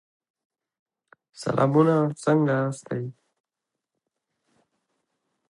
نارې له شپاړسو سېلابونو جوړې شوې.